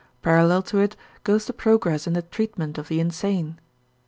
Parallel to it goes the progress in the treatment of the insane.